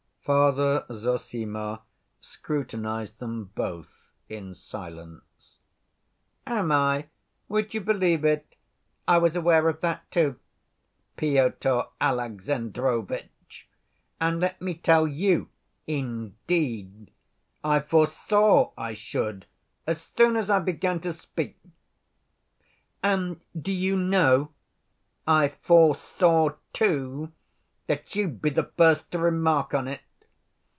Father Zossima scrutinized them both in silence. "Am I? Would you believe it, I was aware of that, too, Pyotr Alexandrovitch, and let me tell you, indeed, I foresaw I should as soon as I began to speak. And do you know I foresaw, too, that you'd be the first to remark on it.